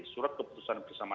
surat keputusan bersama